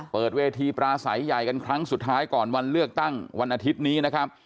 เปิดเวทีปราศัยใหญ่กันครั้งสุดท้ายก่อนวันเลือกตั้งวันอาทิตย์นี้นะครับ